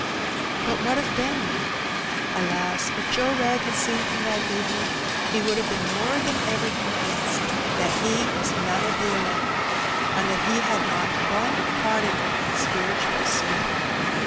.Two TisiTs. 73 Bat what of Benny? Alas I if Joe Wrag had seen him that evenings he would have been more than ever convinced that he was none of the. electa and that he had not one par ticle of spiritual discernment.